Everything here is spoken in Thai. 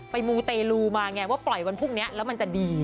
มูเตลูมาไงว่าปล่อยวันพรุ่งนี้แล้วมันจะดี